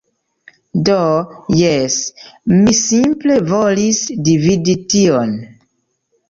Do, jes, mi simple volis dividi tion.